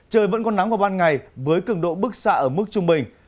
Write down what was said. trời vẫn có nắng vào ban ngày với cường độ bức xạ ở mức trung bình